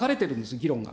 議論が。